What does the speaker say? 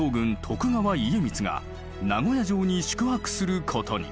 徳川家光が名古屋城に宿泊することに。